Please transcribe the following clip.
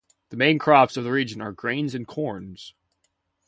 The main crops of the region are grains and corns.